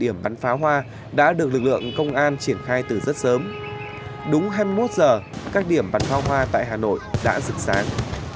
điểm bắn phá hoa đã được lực lượng công an triển khai từ rất sớm đúng hai mươi một h các điểm bắn pháo hoa tại hà nội đã rực sáng